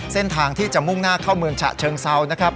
เส้นทางที่จะมุ่งหน้าเข้าเมืองฉะเชิงเซานะครับ